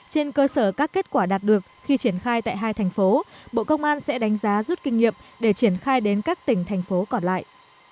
trên cơ sở các kết quả đạt được khi triển khai tại hai thành phố bộ công an sẽ đánh giá rút kinh nghiệm để triển khai đến các tỉnh thành phố còn lại